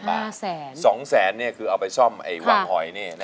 ๒๐๐๐๐๐บาทคือเอาไปซ่อมไอว่าหอยเนี่ยแน่นอน